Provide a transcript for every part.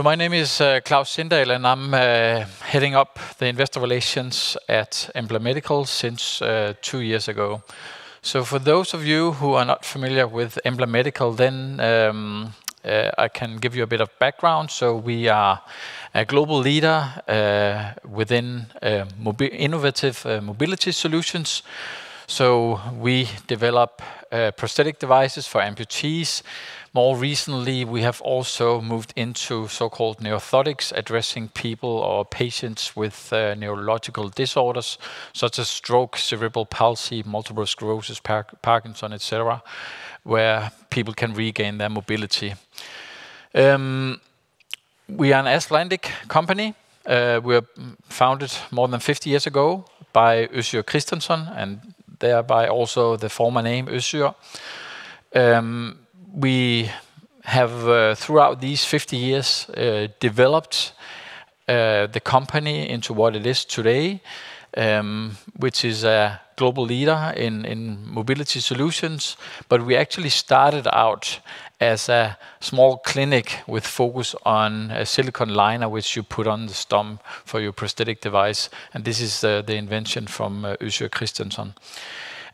My name is Klaus Sindahl, and I'm heading up the Investor Relations at Embla Medical since two years ago. For those of you who are not familiar with Embla Medical, then I can give you a bit of background. We are a global leader within innovative mobility solutions. We develop prosthetic devices for amputees. More recently, we have also moved into so-called neuroprosthetics, addressing people or patients with neurological disorders such as stroke, cerebral palsy, multiple sclerosis, Parkinson's, et cetera, where people can regain their mobility. We are an Icelandic company. We were founded more than 50 years ago by Össur Kristinsson and thereby also the former name Össur. We have, throughout these 50 years, developed the company into what it is today, which is a global leader in mobility solutions. We actually started out as a small clinic with focus on a silicone liner, which you put on the stump for your prosthetic device, and this is the invention from Össur Kristinsson.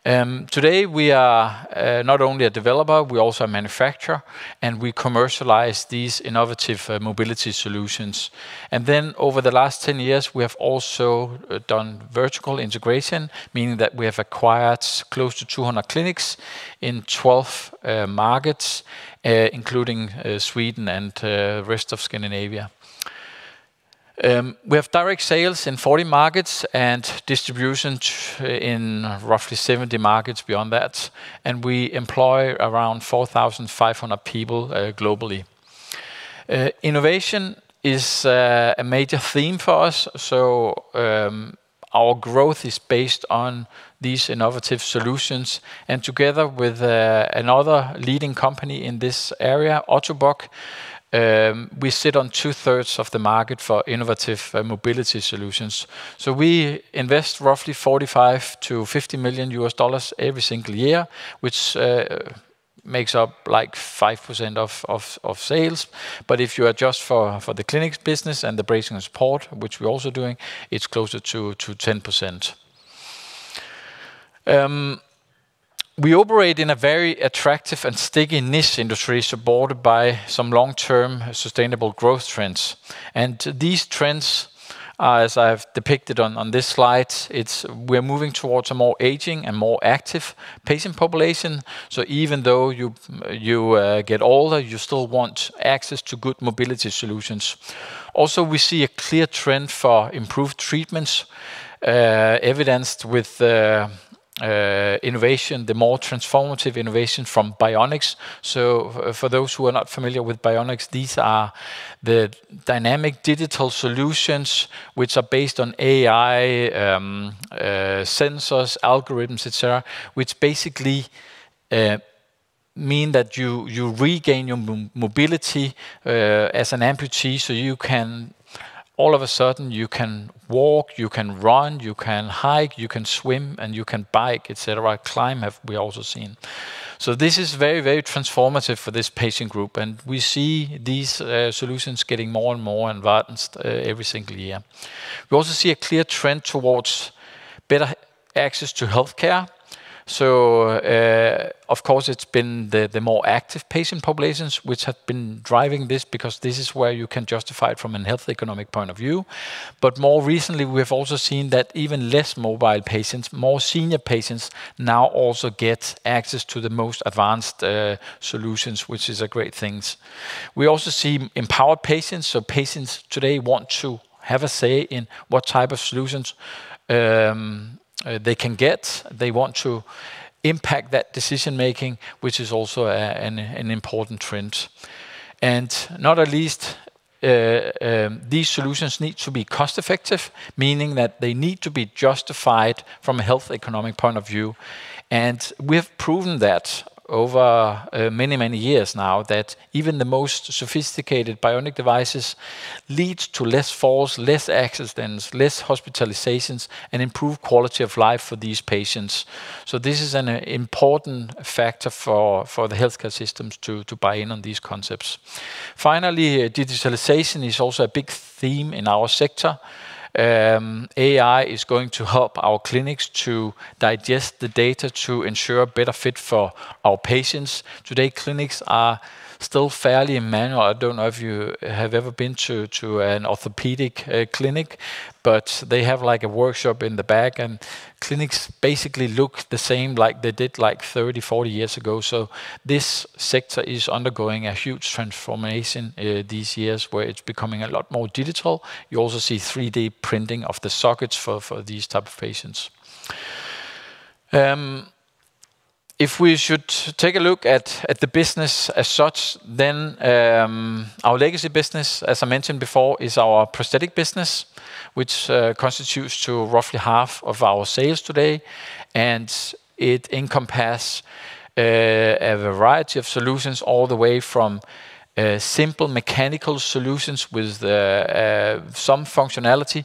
Today we are not only a developer, we also manufacture, and we commercialize these innovative mobility solutions. Over the last 10 years, we have also done vertical integration, meaning that we have acquired close to 200 clinics in 12 markets, including Sweden and rest of Scandinavia. We have direct sales in 40 markets and distribution in roughly 70 markets beyond that, and we employ around 4,500 people globally. Innovation is a major theme for us. Our growth is based on these innovative solutions and together with another leading company in this area, Ottobock, we sit on 2/3 of the market for innovative mobility solutions. We invest roughly $45 million-$50 million every single year, which makes up like 5% of sales. If you adjust for the clinic business and the bracing and support, which we're also doing, it's closer to 10%. We operate in a very attractive and sticky niche industry supported by some long-term sustainable growth trends. These trends are, as I have depicted on this slide, it's we're moving towards a more aging and more active patient population. Even though you get older, you still want access to good mobility solutions. Also, we see a clear trend for improved treatments, evidenced with innovation, the more transformative innovation from bionics. For those who are not familiar with bionics, these are the dynamic digital solutions which are based on AI, sensors, algorithms, et cetera, which basically mean that you regain your mobility as an amputee. You can all of a sudden you can walk, you can run, you can hike, you can swim, and you can bike, et cetera. Climb we also seen. This is very, very transformative for this patient group, and we see these solutions getting more and more advanced every single year. We also see a clear trend towards better access to healthcare. Of course, it's been the more active patient populations which have been driving this because this is where you can justify it from a health economic point of view. More recently, we have also seen that even less mobile patients, more senior patients now also get access to the most advanced solutions, which is a great things. We also see empowered patients. Patients today want to have a say in what type of solutions they can get. They want to impact that decision making, which is also an important trend. Not at least, these solutions need to be cost effective, meaning that they need to be justified from a health economic point of view. We have proven that over many, many years now that even the most sophisticated bionic devices leads to less falls, less accidents, less hospitalizations, and improved quality of life for these patients. This is an important factor for the healthcare systems to buy in on these concepts. Digitalization is also a big theme in our sector. AI is going to help our clinics to digest the data to ensure a better fit for our patients. Today, clinics are still fairly manual. I don't know if you have ever been to an orthopedic clinic, but they have like a workshop in the back and clinics basically look the same like they did like 30, 40 years ago. This sector is undergoing a huge transformation these years where it's becoming a lot more digital. You also see 3D printing of the sockets for these type of patients. If we should take a look at the business as such, our legacy business, as I mentioned before, is our prosthetic business, which constitutes to roughly half of our sales today. It encompass a variety of solutions all the way from simple mechanical solutions with some functionality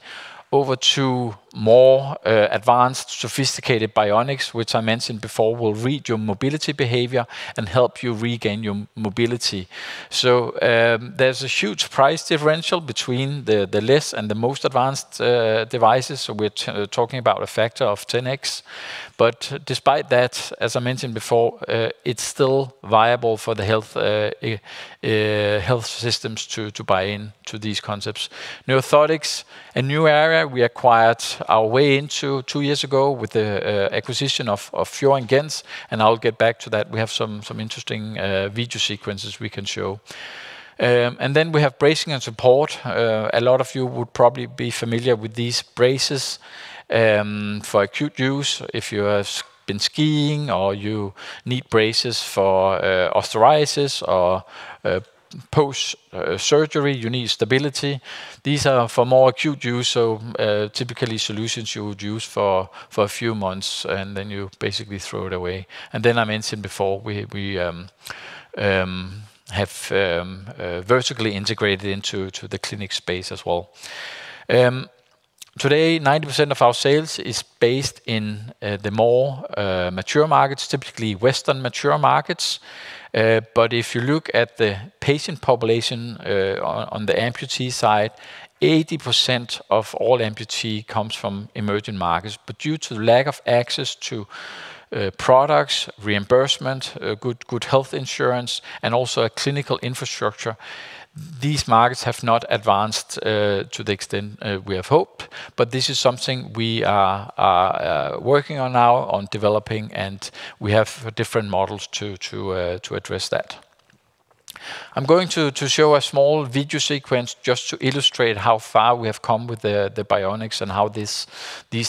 over to more advanced sophisticated bionics, which I mentioned before will read your mobility behavior and help you regain your mobility. There's a huge price differential between the less and the most advanced devices. We're talking about a factor of 10x. Despite that, as I mentioned before, it's still viable for the health systems to buy into these concepts. Neuro-orthotics, a new area we acquired our way into two years ago with the acquisition of Fior & Gentz. I'll get back to that. We have some interesting video sequences we can show. We have bracing and support. A lot of you would probably be familiar with these braces for acute use if you have been skiing, or you need braces for arthritis or post surgery, you need stability. These are for more acute use, so typically solutions you would use for a few months, and then you basically throw it away. I mentioned before, we have vertically integrated into the clinic space as well. Today, 90% of our sales is based in the more mature markets, typically Western mature markets. If you look at the patient population, on the amputee side, 80% of all amputee comes from emerging markets. Due to the lack of access to products, reimbursement, good health insurance, and also a clinical infrastructure, these markets have to not advanced to the extent we have hoped. This is something we are working on now on developing, and we have different models to address that. I'm going to show a small video sequence just to illustrate how far we have come with the bionics and how these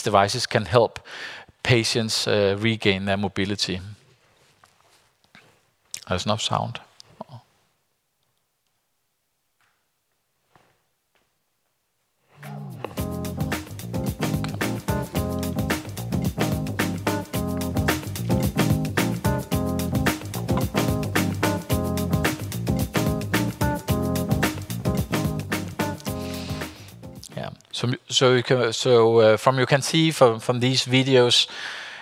devices can help patients regain their mobility. There's no sound. Yeah. You can see from these videos,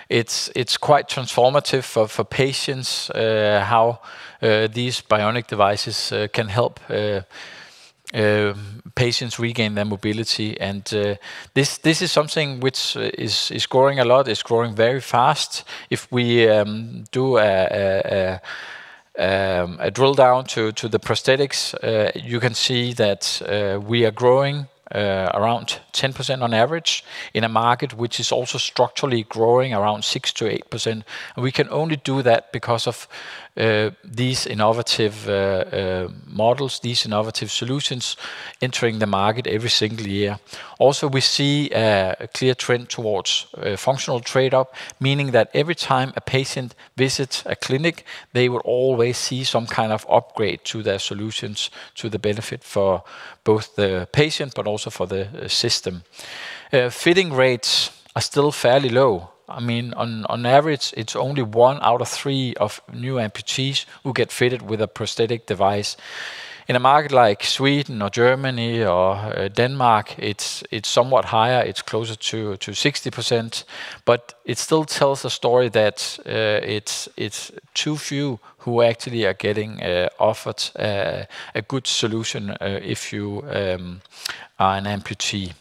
it's quite transformative for patients, how these bionic devices can help patients regain their mobility. This is something which is growing a lot. It's growing very fast. If we do a drill down to the prosthetics, you can see that we are growing around 10% on average in a market which is also structurally growing around 6%-8%. We can only do that because of these innovative models, these innovative solutions entering the market every single year. We see a clear trend towards functional trade-up, meaning that every time a patient visits a clinic, they will always see some kind of upgrade to their solutions to the benefit for both the patient but also for the system. Fitting rates are still fairly low. I mean, on average, it's only one out of three of new amputees who get fitted with a prosthetic device. In a market like Sweden or Germany or Denmark, it's somewhat higher. It's closer to 60%. It still tells a story that it's too few who actually are getting offered a good solution if you are an amputee.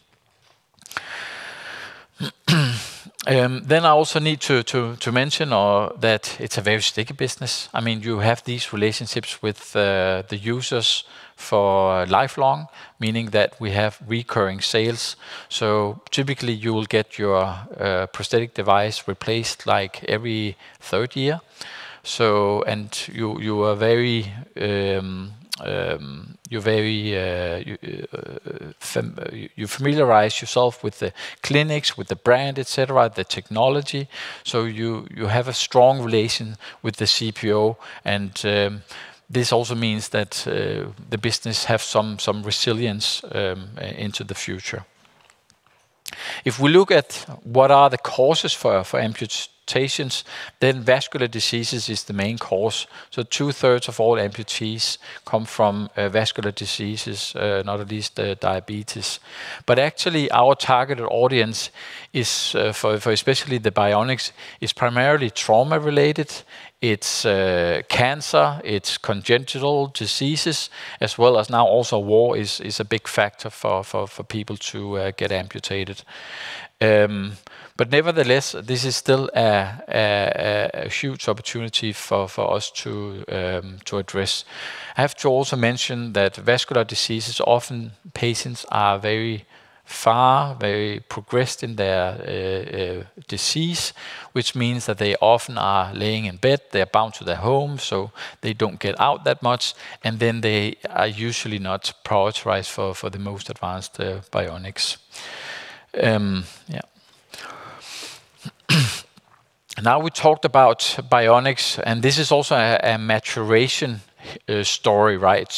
I also need to mention that it's a very sticky business. I mean, you have these relationships with the users for lifelong, meaning that we have recurring sales. Typically, you will get your prosthetic device replaced like every third year. You are very, you familiarize yourself with the clinics, with the brand, et cetera, the technology. You have a strong relation with the CPO, this also means that the business have some resilience into the future. If we look at what are the causes for amputations, vascular diseases is the main cause. 2/3 of all amputees come from vascular diseases, not at least diabetes. Actually, our targeted audience is for especially the bionics, is primarily trauma related. It's cancer, it's congenital diseases, as well as now also war is a big factor for people to get amputated. Nevertheless, this is still a huge opportunity for us to address. I have to also mention that vascular diseases, often patients are very far, very progressed in their disease, which means that they often are laying in bed. They're bound to their home, so they don't get out that much. Then they are usually not prioritized for the most advanced bionics. Yeah. Now we talked about bionics, and this is also a maturation story, right?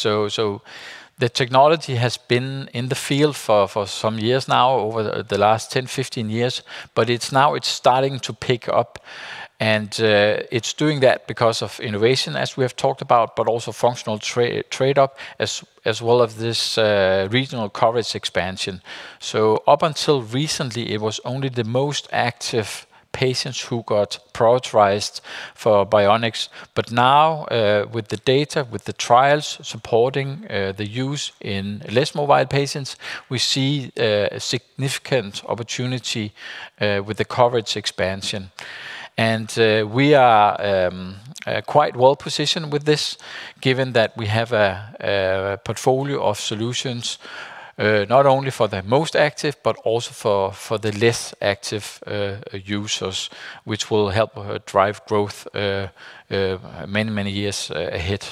The technology has been in the field for some years now, over the last 10, 15 years. It's now, it's starting to pick up. It's doing that because of innovation, as we have talked about, but also functional trade-up as well as this regional coverage expansion. Up until recently, it was only the most active patients who got prioritized for bionics. Now, with the data, with the trials supporting the use in less mobile patients, we see a significant opportunity with the coverage expansion. We are quite well-positioned with this given that we have a portfolio of solutions not only for the most active, but also for the less active users, which will help drive growth many years ahead.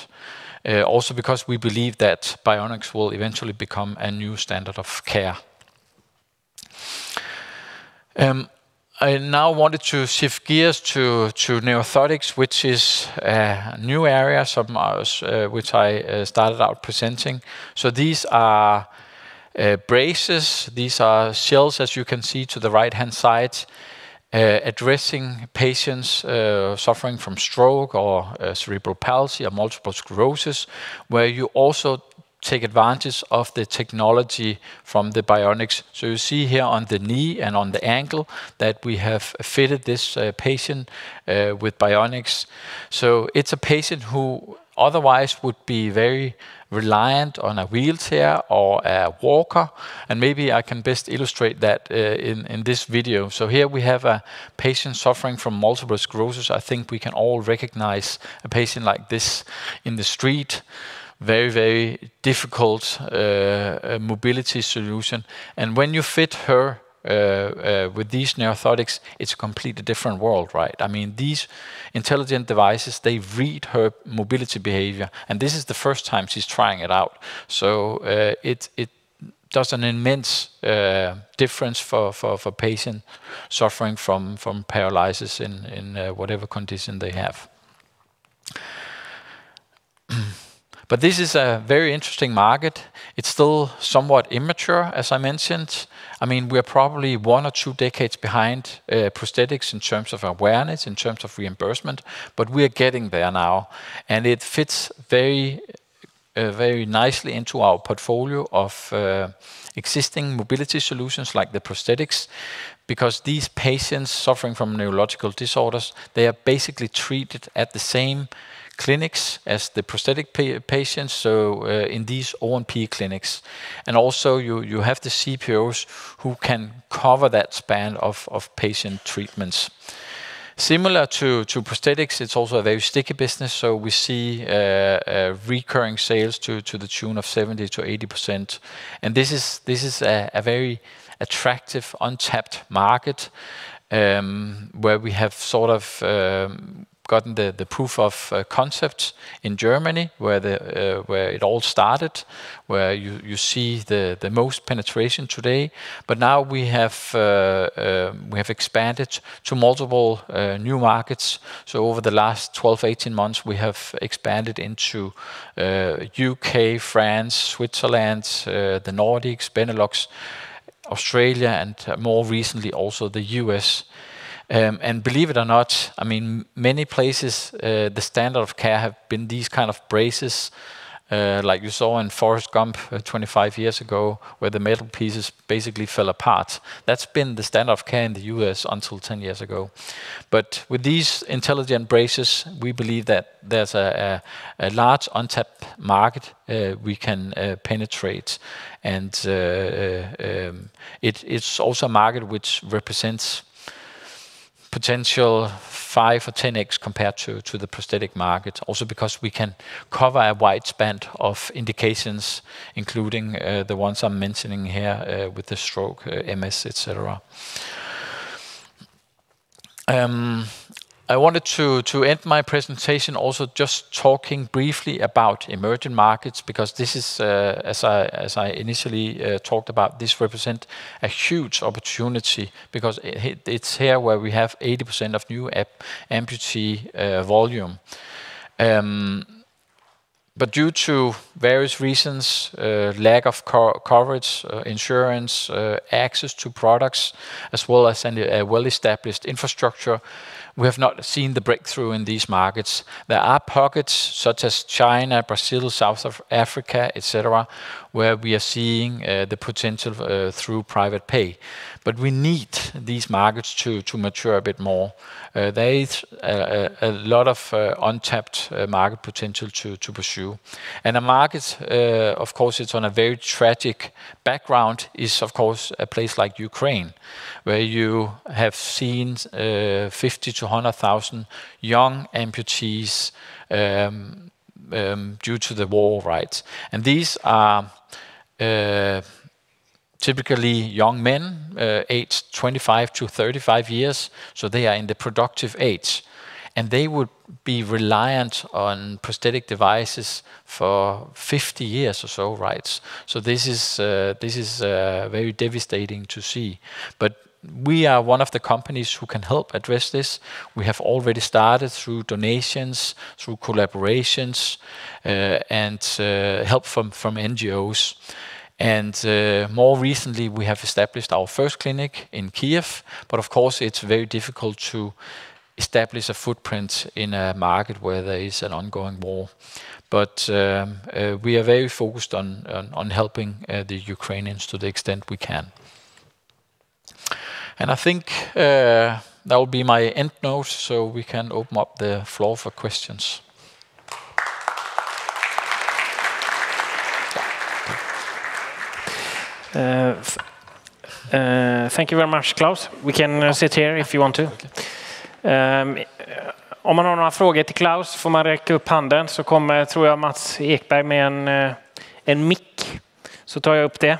Also because we believe that bionics will eventually become a new standard of care. I now wanted to shift gears to neuro-orthotics, which is a new area, which I started out presenting. These are braces. These are shells, as you can see to the right-hand side, addressing patients suffering from stroke or cerebral palsy or multiple sclerosis, where you also take advantage of the technology from the bionics. You see here on the knee and on the ankle that we have fitted this patient with bionics. It's a patient who otherwise would be very reliant on a wheelchair or a walker, and maybe I can best illustrate that in this video. Here we have a patient suffering from multiple sclerosis. I think we can all recognize a patient like this in the street. Very, very difficult mobility solution. When you fit her with these neuro-orthotics, it's a completely different world, right? I mean, these intelligent devices, they read her mobility behavior, and this is the first time she's trying it out. It does an immense difference for patient suffering from paralysis in whatever condition they have. This is a very interesting market. It's still somewhat immature, as I mentioned. I mean, we're probably one or two decades behind prosthetics in terms of awareness, in terms of reimbursement, but we're getting there now. It fits very nicely into our portfolio of existing mobility solutions like the prosthetics, because these patients suffering from neurological disorders, they are basically treated at the same clinics as the prosthetic patients, in these O&P clinics. You have the CPOs who can cover that span of patient treatments. Similar to prosthetics, it's also a very sticky business, we see recurring sales to the tune of 70%-80%. This is a very attractive, untapped market, where we have sort of gotten the proof of concept in Germany where it all started, where you see the most penetration today. Now we have expanded to multiple new markets. Over the last 12-18 months, we have expanded into U.K., France, Switzerland, the Nordics, Benelux, Australia, and more recently, also the U.S. Believe it or not, I mean, many places, the standard of care have been these kind of braces, like you saw in Forrest Gump 25 years ago, where the metal pieces basically fell apart. That's been the standard of care in the U.S. until 10 years ago. With these intelligent braces, we believe that there's a large untapped market we can penetrate. It's also a market which represents potential 5x or 10x compared to the prosthetic market, also because we can cover a wide span of indications, including the ones I'm mentioning here, with the stroke, MS, et cetera. I wanted to end my presentation also just talking briefly about emerging markets, because this is, as I initially talked about, this represent a huge opportunity because it's here where we have 80% of new amputee volume. Due to various reasons, lack of co-coverage, insurance, access to products, as well as a well-established infrastructure, we have not seen the breakthrough in these markets. There are pockets such as China, Brazil, Southern Africa, et cetera, where we are seeing the potential through private pay. We need these markets to mature a bit more. There is a lot of untapped market potential to pursue. A market, of course, it's on a very tragic background is, of course, a place like Ukraine, where you have seen 50,000-100,000 young amputees due to the war, right? These are typically young men, aged 25-35 years, so they are in the productive age. They would be reliant on prosthetic devices for 50 years or so, right? This is very devastating to see. We are one of the companies who can help address this. We have already started through donations, through collaborations, and help from NGOs. More recently, we have established our first clinic in Kyiv. Of course, it's very difficult to establish a footprint in a market where there is an ongoing war. We are very focused on helping the Ukrainians to the extent we can. I think that will be my end note, so we can open up the floor for questions. Thank you very much, Klaus. We can sit here if you want to. Okay. om man har några frågor till Klaus Sindahl får man räcka upp handen, så kommer tror jag Mats Ekberg med en mick. Tar jag upp det.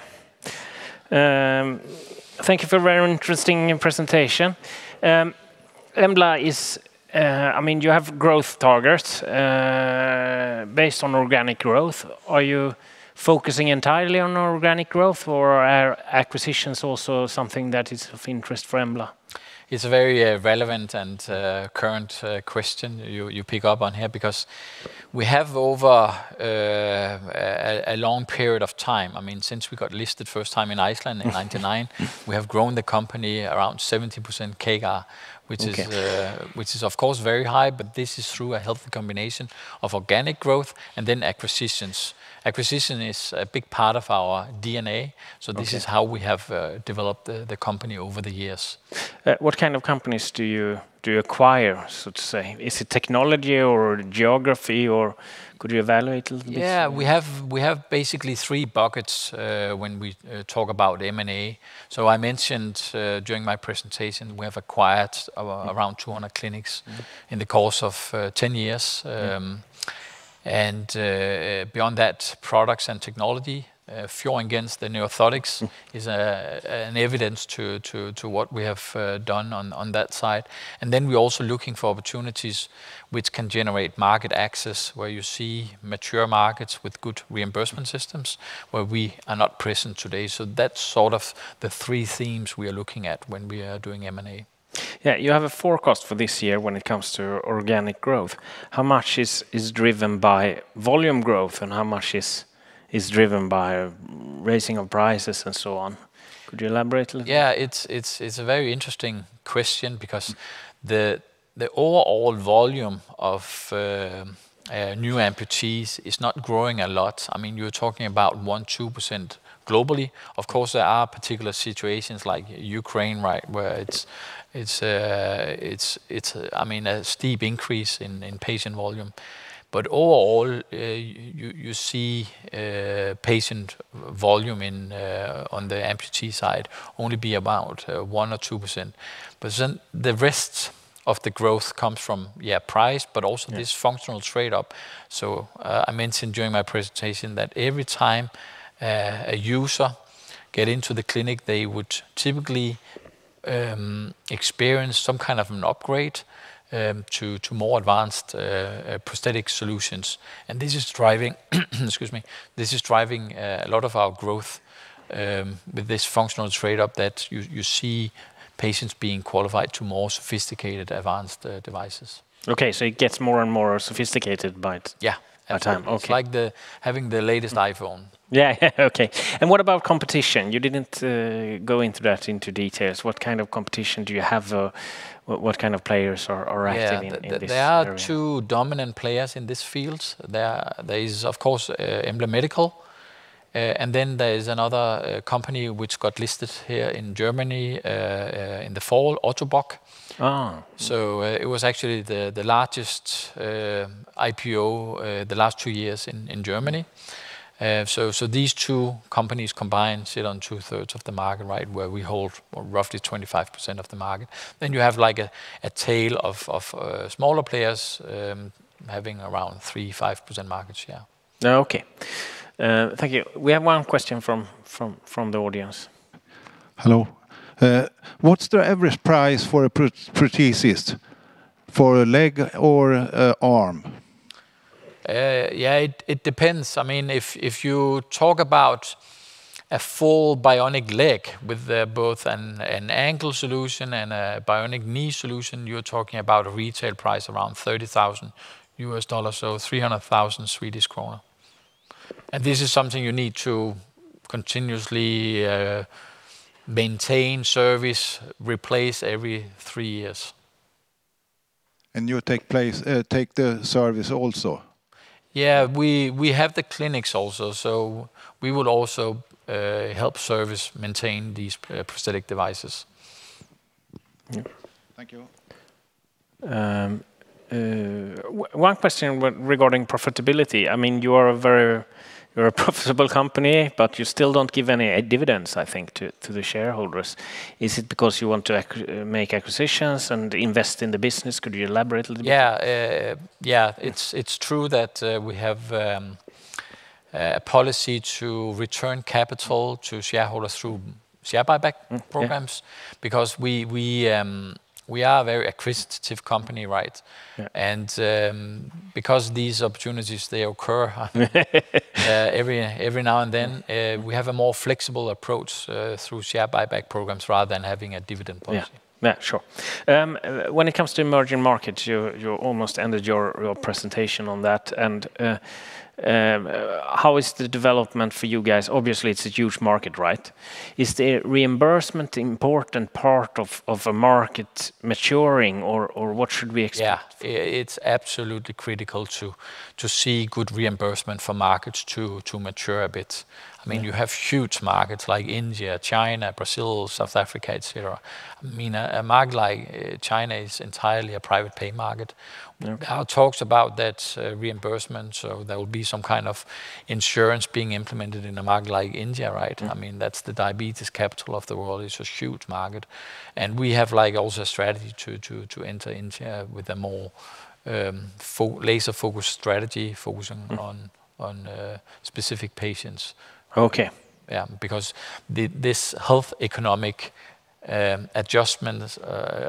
Thank you for a very interesting presentation. Embla is, I mean, you have growth targets, based on organic growth. Are you focusing entirely on organic growth, or are acquisitions also something that is of interest for Embla? It's a very relevant and current question you pick up on here because we have over a long period of time, I mean, since we got listed first time in Iceland in 1999, we have grown the company around 70% CAGR. Okay Which is of course very high. This is through a healthy combination of organic growth and then acquisitions. Acquisition is a big part of our DNA. Okay. This is how we have developed the company over the years. What kind of companies do you acquire, so to say? Is it technology or geography, or could you evaluate a little bit? Yeah. We have basically three buckets, when we talk about M&A. I mentioned during my presentation, we have acquired around 200 clinics. Mm-hmm In the course of 10 years. Beyond that, products and technology, Fior & Gentz the neuro-orthotics. Mm-hmm Is an evidence to what we have done on that side. We're also looking for opportunities which can generate market access, where you see mature markets with good reimbursement systems, where we are not present today. That's sort of the three themes we are looking at when we are doing M&A. Yeah. You have a forecast for this year when it comes to organic growth. How much is driven by volume growth, and how much is driven by raising of prices and so on? Could you elaborate a little bit? Yeah. It's a very interesting question because- Mm-hmm The overall volume of new amputees is not growing a lot. I mean, you're talking about 1%, 2% globally. Of course, there are particular situations like Ukraine, right, where it's, I mean, a steep increase in patient volume. Overall, you see patient volume on the amputee side only be about 1% or 2%. The rest of the growth comes from, yeah, price- Yeah But also this functional trade-up. I mentioned during my presentation that every time, a user get into the clinic, they would typically, experience some kind of an upgrade, to more advanced, prosthetic solutions. This is driving, excuse me, this is driving, a lot of our growth, with this functional trade-up that you see patients being qualified to more sophisticated advanced, devices. Okay. it gets more and more sophisticated by the. Yeah Time. Okay. It's like having the latest iPhone. Yeah. Okay. What about competition? You didn't go into that into details. What kind of competition do you have, what kind of players are active in this area? Yeah. There are two dominant players in this field. There is, of course, Embla Medical, and then there is another company which got listed here in Germany in the fall, Ottobock. Oh. It was actually the largest IPO, the last two years in Germany. These two companies combined sit on 2/3 of the market, right, where we hold roughly 25% of the market. You have like a tail of smaller players, having around 3%-5% market share. Okay. Thank you. We have one question from the audience. Hello. What's the average price for a prosthesis for a leg or a arm? Yeah, it depends. I mean, if you talk about a full bionic leg with both an ankle solution and a bionic knee solution, you're talking about a retail price around $30,000, so 300,000 Swedish kronor. This is something you need to continuously maintain, service, replace every three years. You take the service also? Yeah. We have the clinics also, so we would also help service maintain these prosthetic devices. Yeah. Thank you. One question regarding profitability. I mean, you're a profitable company, but you still don't give any dividends, I think, to the shareholders. Is it because you want to make acquisitions and invest in the business? Could you elaborate a little bit? Yeah. Yeah. It's true that we have policy to return capital to shareholder through share buyback. Yeah. Programs, because we are a very acquisitive company, right? Yeah. Because these opportunities, they occur every now and then, we have a more flexible approach, through share buyback programs rather than having a dividend policy. Yeah. Yeah, sure. When it comes to emerging markets, you almost ended your presentation on that. How is the development for you guys? Obviously, it's a huge market, right? Is the reimbursement important part of a market maturing, or what should we expect? Yeah. It's absolutely critical to see good reimbursement for markets to mature a bit. Yeah. I mean, you have huge markets like India, China, Brazil, South Africa, et cetera. I mean, a market like China is entirely a private pay market. Mm. Talks about that reimbursement, there will be some kind of insurance being implemented in a market like India, right? Mm. I mean, that's the diabetes capital of the world. It's a huge market. We have, like, also strategy to enter India with a more laser-focused strategy. Mm On specific patients. Okay. Yeah, because the, this health economic adjustments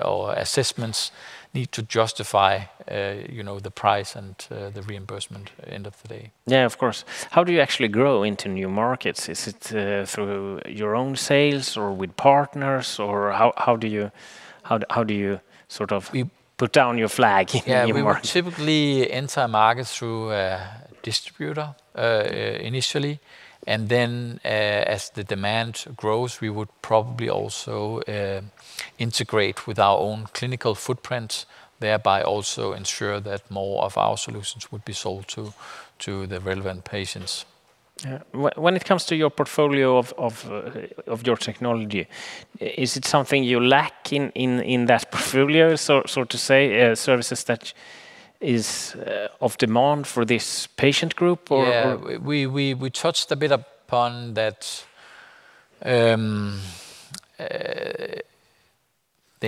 or assessments need to justify, you know, the price and the reimbursement at the end of the day. Yeah, of course. How do you actually grow into new markets? Is it through your own sales or with partners, or how do you sort of? We- Put down your flag in new markets? We will typically enter a market through a distributor, initially, and then, as the demand grows, we would probably also, integrate with our own clinical footprint, thereby also ensure that more of our solutions would be sold to the relevant patients. Yeah. When it comes to your portfolio of your technology, is it something you lack in that portfolio, so to say, services that is of demand for this patient group, or? Yeah. We touched a bit upon that, the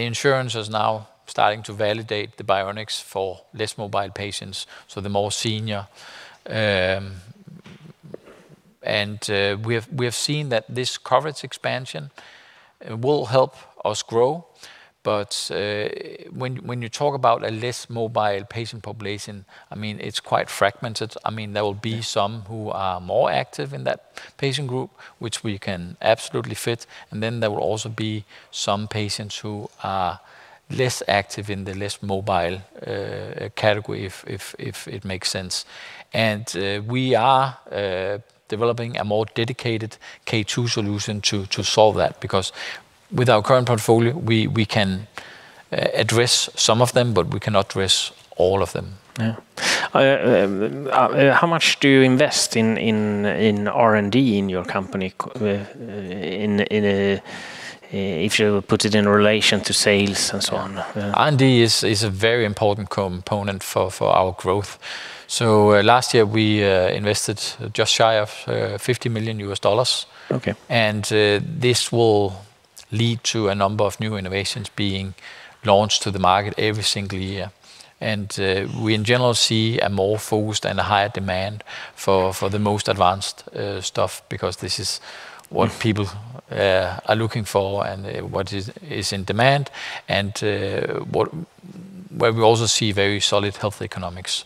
insurance is now starting to validate the bionics for less mobile patients, so the more senior. We have seen that this coverage expansion will help us grow. When you talk about a less mobile patient population, I mean, it's quite fragmented. I mean, there will be. Yeah Some who are more active in that patient group, which we can absolutely fit, then there will also be some patients who are less active in the less mobile category, if it makes sense. We are developing a more dedicated K2 solution to solve that because with our current portfolio, we can address some of them, but we cannot address all of them. Yeah. How much do you invest in R&D in your company if you put it in relation to sales and so on? R&D is a very important component for our growth. Last year we invested just shy of $50 million. Okay. This will lead to a number of new innovations being launched to the market every single year. We in general see a more focused and a higher demand for the most advanced, stuff because this is what people- Mm Are looking for and, what is in demand and, where we also see very solid health economics.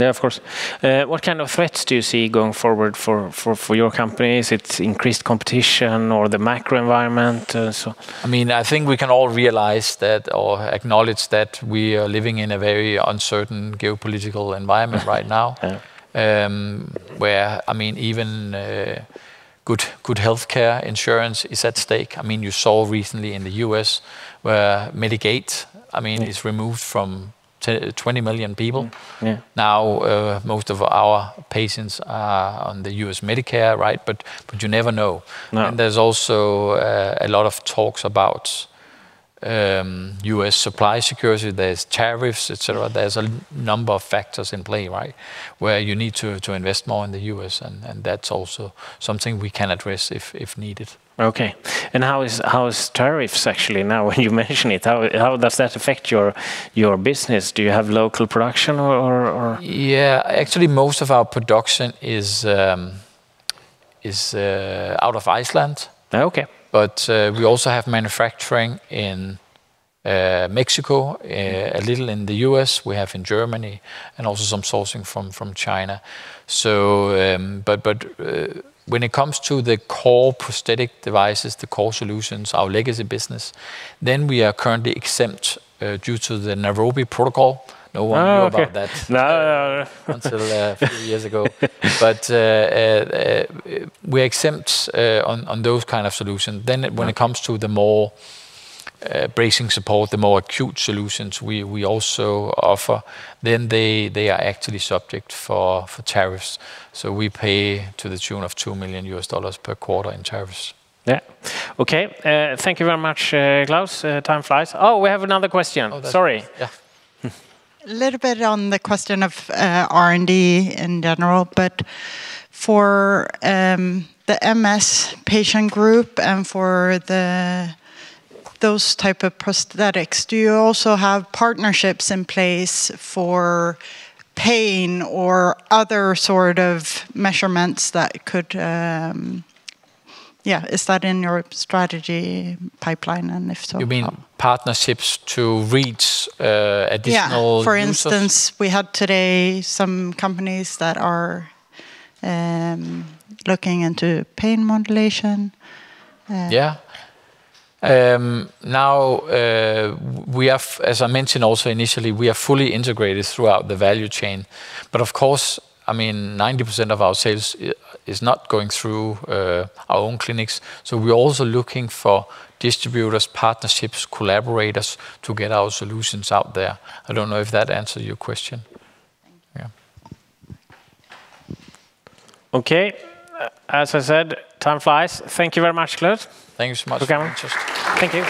Yeah, of course. What kind of threats do you see going forward for your company? Is it increased competition or the macro environment? I mean, I think we can all realize that, or acknowledge that we are living in a very uncertain geopolitical environment right now. Mm-hmm. Yeah. Where, I mean, even, good healthcare insurance is at stake. I mean, you saw recently in the U.S. where Medicaid, I mean. Yeah Is removed from 10, 20 million people. Mm. Yeah. Most of our patients are on the U.S. Medicare, right? But you never know. No. There's also a lot of talks about U.S. supply security. There's tariffs, et cetera. There's a number of factors in play, right, where you need to invest more in the U.S. and that's also something we can address if needed. Okay. How is tariffs actually now when you mention it? How does that affect your business? Do you have local production or? Yeah. Actually, most of our production is out of Iceland. Okay. We also have manufacturing in Mexico- Mm A little in the U.S. We have in Germany and also some sourcing from China. When it comes to the core prosthetic devices, the core solutions, our legacy business, then we are currently exempt, due to the Nairobi Protocol. No one knew- Oh, okay. About that. No, no. Until a few years ago. We're exempt on those kind of solutions. Right When it comes to the more, bracing support, the more acute solutions we also offer, then they are actually subject for tariffs. We pay to the tune of $2 million per quarter in tariffs. Yeah. Okay. Thank you very much, Klaus. Time flies. Oh, we have another question. Oh. Sorry. Yeah. A little bit on the question of R&D in general. For the MS patient group and for those type of prosthetics, do you also have partnerships in place for pain or other sort of measurements that could, yeah, is that in your strategy pipeline? If so, how? You mean partnerships to reach? Yeah Users? For instance, we had today some companies that are looking into pain modulation. Yeah. now, we have, as I mentioned also initially, we are fully integrated throughout the value chain. Of course, I mean, 90% of our sales is not going through, our own clinics. We're also looking for distributors, partnerships, collaborators to get our solutions out there. I don't know if that answered your question? Thank you. Yeah. Okay. As I said, time flies. Thank you very much, Klaus. Thank you so much. You can come. Thank you.